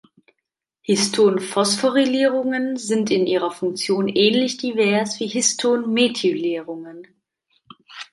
Histon-Phosphorylierungen sind in ihrer Funktion ähnlich divers wie Histon-Methylierungen.